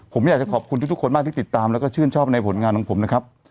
ผมอยากจะขอบคุณทุกคนมากที่ติดตามแล้วก็ชื่นชอบในผลงานของผมนะครับ